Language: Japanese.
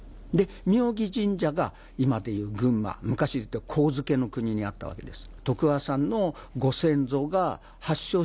妙義神社が今でいう群馬、昔でいう上野国にあったわけです。